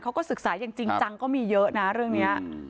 เขาก็ศึกษาอย่างจริงจังก็มีเยอะนะเรื่องนี้